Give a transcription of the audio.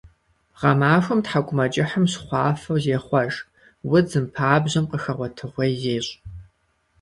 Гъэмахуэм тхьэкIумэкIыхьым щхъуафэу зехъуэж, удзым, пабжьэм къыхэгъуэтэгъуей зещI.